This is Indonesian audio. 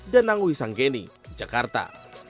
danang wi sanggeni jakarta